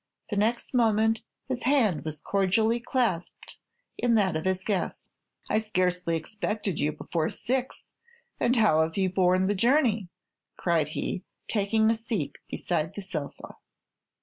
The next moment his hand was cordially clasped in that of his guest. "I scarcely expected you before six; and how have you borne the journey?" cried he, taking a seat beside the sofa.